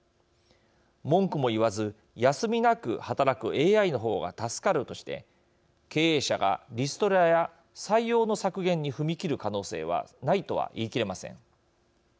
文句も言わず休みなく働くＡＩの方が助かるとして経営者がリストラや採用の削減に踏み切る可能性はないとは言い切れません。